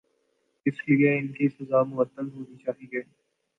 اسی لئے ان کی سزا معطل ہونی چاہیے۔